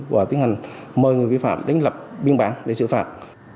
và tiến hành mời người vi phạm đến lập biên bản để xử phạt